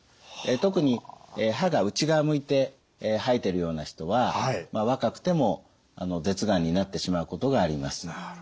特に歯が内側向いて生えてるような人は若くても舌がんになってしまうことがあります。